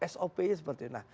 sop nya seperti itu